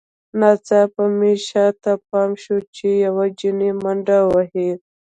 ناڅاپه مې شاته پام شو چې یوه نجلۍ منډې وهي